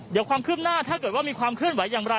เดี๋ยวความคืบหน้าถ้าเกิดว่ามีความเคลื่อนไหวอย่างไร